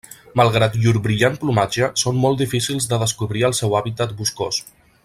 Malgrat llur brillant plomatge, són molt difícils de descobrir al seu hàbitat boscós.